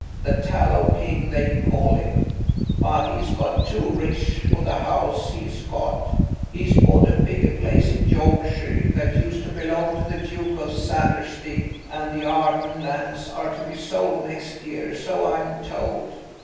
The Tallow King, they call him. But he's got too rich for the house he's got. He's bought a bigger place in Yorkshire, that used to belong to the Duke of Sanderstead, and the Arden lands are to be sold next year, so I'm told."